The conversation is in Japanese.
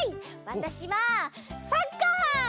わたしはサッカー！